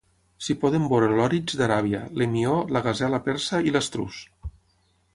S'hi poden veure l'òrix d'Aràbia, l'hemió, la gasela persa i l'estruç.